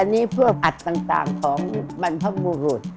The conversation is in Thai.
อันนี้เพื่อพัฒจ์ต่างของบรรพมุรุษ